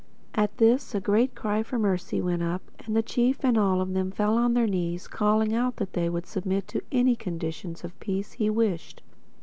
At this a great cry for mercy went up, and the chief and all of them fell on their knees, calling out that they would submit to any conditions of peace he wished.